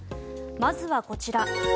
まずはこちら。